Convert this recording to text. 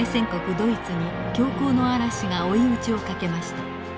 ドイツに恐慌の嵐が追い打ちをかけました。